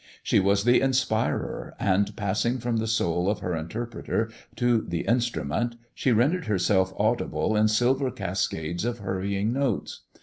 She was the inspirer, and passing from the soul of her interpreter to the instrument, she rendered herself audible in silver cascades of hurrying notes.